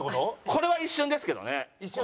これは一瞬ですけどね。